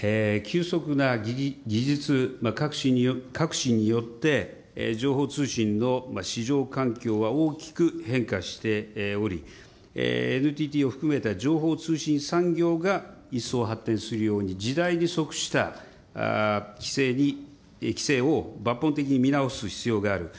まず、急速な技術革新によって、情報通信の市場環境は大きく変化しており、ＮＴＴを含めた情報通信産業が一層発展するように、時代に即した規制を抜本的に見直す必要がある。